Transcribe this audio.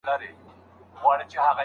زه بریالی کېږم.